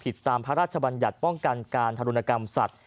ตามพระราชบัญญัติป้องกันการทารุณกรรมสัตว